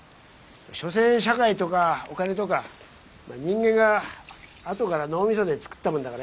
所詮社会とかお金とか人間があとから脳みそで作ったもんだからよ。